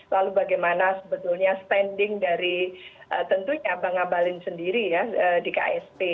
lalu bagaimana sebetulnya standing dari tentunya bang abalin sendiri ya di ksp